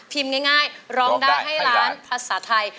ง่ายร้องได้ให้ล้านภาษาไทย